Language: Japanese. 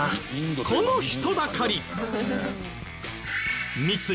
この人だかり。